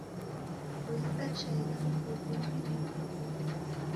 Boisa chai cha mrughundia divirie.